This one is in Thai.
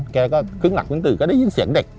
แกก็คึ้งหลักคุณตือก็ได้ยินเสียงเด็ก